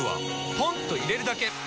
ポンと入れるだけ！